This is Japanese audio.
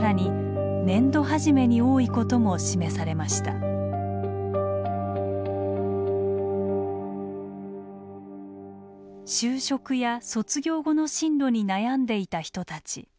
更に就職や卒業後の進路に悩んでいた人たち。